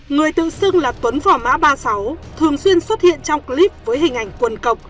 người tự xưng là tuấn vỏ mã ba mươi sáu thường xuyên xuất hiện trong clip với hình ảnh quần